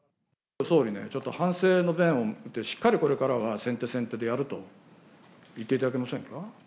総理ね、ちょっと、反省の弁を、しっかりこれからは先手先手でやると言っていただけませんか。